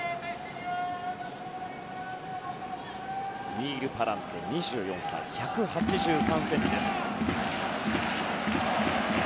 ニール・パランテ２４歳、１８３ｃｍです。